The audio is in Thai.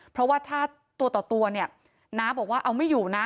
เพราะว่าถ้าตัวต่อตัวเนี่ยน้าบอกว่าเอาไม่อยู่นะ